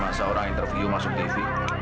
masa orang interview masuk tv